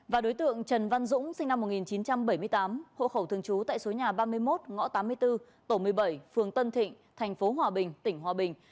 và đối tượng trần văn dũng sinh năm một nghìn chín trăm bảy mươi tám hộ khẩu thường trú tại số nhà ba mươi một ngõ tám mươi bốn tổ một mươi bảy phường tân thịnh tp hòa bình tỉnh hòa bình